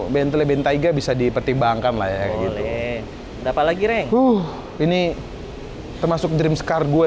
bentle bentaiga bisa dipertimbangkan layaknya dapat lagi reng uh ini termasuk dreamscar gue